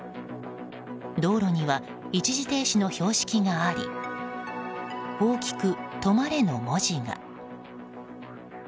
道路には一時停止の標識があり大きく「止まれ」の文字が。